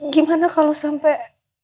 gimana kalau sampai